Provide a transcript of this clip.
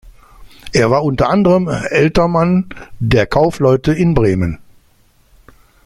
Er war unter anderem Ältermann der Kaufleute in Bremen.